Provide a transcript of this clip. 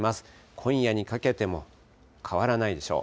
今夜にかけても変わらないでしょう。